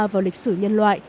vào lịch sử nhân loại